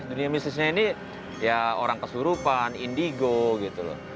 dunia bisnisnya ini ya orang kesurupan indigo gitu loh